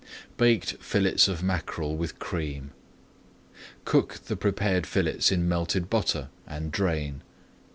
BAKED FILLETS OF MACKEREL WITH CREAM Cook the prepared fillets in melted butter and drain.